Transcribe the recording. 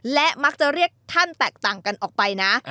และมักจะเรียกท่านแตกต่างกันออกไปนะ